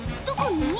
どこに？